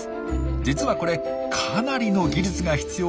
実はこれかなりの技術が必要な技。